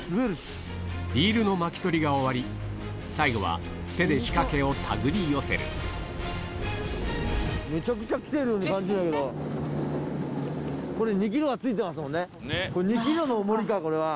リールの巻き取りが終わり最後は手で仕掛けを手繰り寄せるめちゃくちゃ来てるように感じるんだけど。